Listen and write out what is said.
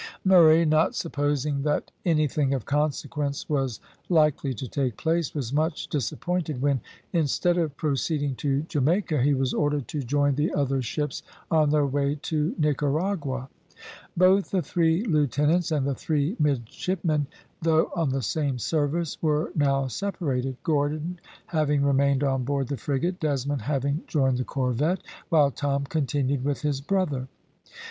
Murray, not supposing that anything of consequence was likely to take place, was much disappointed when, instead of proceeding to Jamaica, he was ordered to join the other ships on their way to Nicaragua. Both the three lieutenants and the three midshipmen, though on the same service, were now separated, Gordon having remained on board the frigate, Desmond having joined the corvette, while Tom continued with his brother.